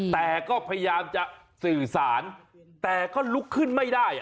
แต่ก็พยายามจะสื่อสารแต่ก็ลุกขึ้นไม่ได้